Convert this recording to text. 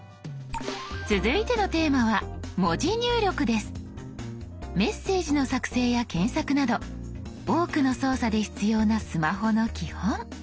続いてのテーマはメッセージの作成や検索など多くの操作で必要なスマホの基本。